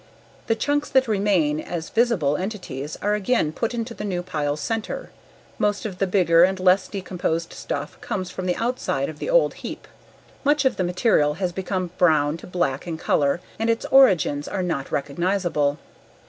The chunks that remain as visible entities are again put into the new pile's center; most of the bigger and less decomposed stuff comes from the outside of the old heap. Much of the material has become brown to black in color and its origins are not recognizable.